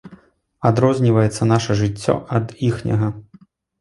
Адрозніваецца наша жыццё ад іхняга.